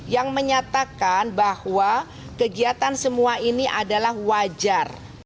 yang menyatakan bahwa kegiatan semua ini adalah wajar